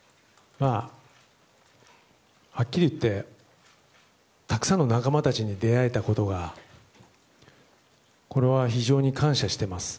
はっきり言って、たくさんの仲間たちに出会えたことが非常に感謝しています。